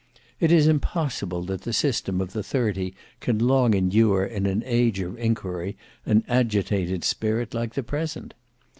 It is impossible that the system of the thirty can long endure in an age of inquiry and agitated spirit like the present.